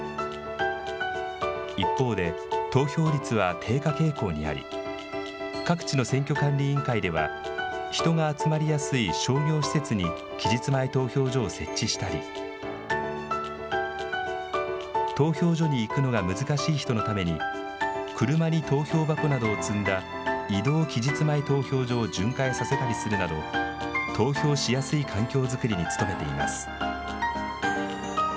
一方で投票率は低下傾向にあり各地の選挙管理委員会では人が集まりやすい商業施設に期日前投票所を設置したり投票所に行くのが難しい人のために車に投票箱などを積んだ移動期日前投票所を巡回させたりするなど投票しやすい環境づくりに努めています。